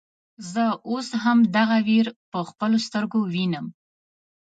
زه اوس هم دغه وير په خپلو سترګو وينم.